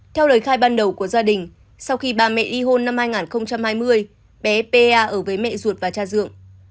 theo lời khai ban đầu của gia đình sau khi bà mẹ y hôn năm hai nghìn hai mươi bé pa ở với mẹ ruột và cha dượng